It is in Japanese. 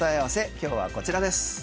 今日はこちらです。